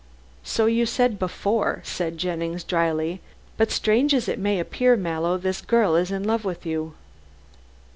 "So you said before," said Jennings dryly. "But strange as it may appear, Mallow, this girl is in love with you."